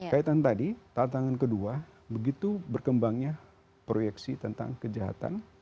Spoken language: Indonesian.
kaitan tadi tantangan kedua begitu berkembangnya proyeksi tentang kejahatan